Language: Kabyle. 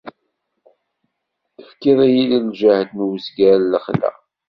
Tefkiḍ-iyi lǧehd n uzger n lexla.